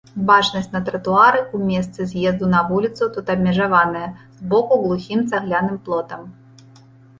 Бачнасць на тратуары ў месцы з'езду на вуліцу тут абмежаваная збоку глухім цагляным плотам.